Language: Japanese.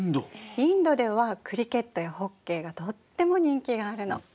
インドではクリケットやホッケーがとっても人気があるの。